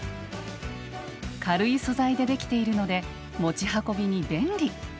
軽い素材でできているので持ち運びに便利！